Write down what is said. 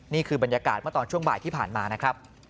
นี่คือบรรยากาศเมื่อตอนช่วงบ่ายที่ผ่านมานะครับ